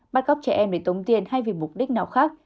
bắt cóc trẻ em để tống tiền hay vì mục đích nào khác